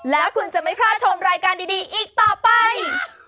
แล้วคุณจะไม่พลาดชมรายการดีอีกต่อไป